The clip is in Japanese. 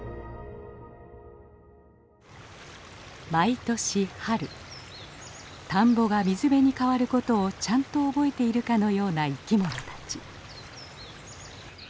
毎年春田んぼが水辺に変わることをちゃんと覚えているかのような生きものたち。